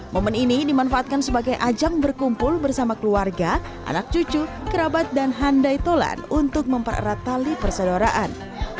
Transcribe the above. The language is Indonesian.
momen ini dimanfaatkan sebagai ajang berkumpul bersama keluarga anak cucu kerabat dan handai tolan untuk mempererat tali persaudaraan